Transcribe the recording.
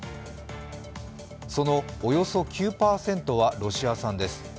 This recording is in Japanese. そのおよそ９％はロシア産です。